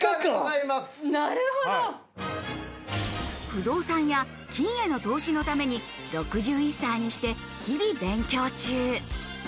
不動産屋や金への投資などのために６１歳にして、日々勉強中。